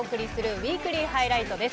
「ウイークリーハイライト」です。